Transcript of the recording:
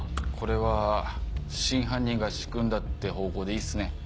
これは真犯人が仕組んだって方向でいいっすね？